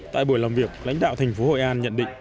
tại buổi làm việc lãnh đạo thành phố hội an nhận định